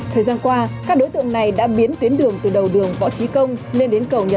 thời gian qua các đối tượng này đã biến tuyến đường từ đầu đường võ trí công